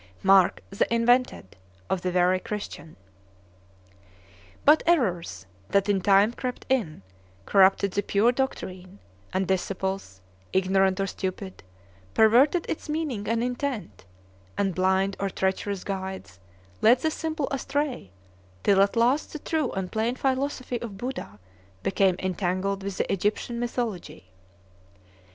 Mark the "invented" of the wary Christian! But errors, that in time crept in, corrupted the pure doctrine, and disciples, ignorant or stupid, perverted its meaning and intent, and blind or treacherous guides led the simple astray, till at last the true and plain philosophy of Buddha became entangled with the Egyptian mythology.